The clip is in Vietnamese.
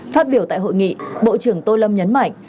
phát biểu tại hội nghị bộ trưởng tô lâm nhấn mạnh